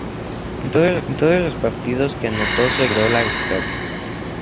En todos los partidos que anotó su equipo logró la victoria.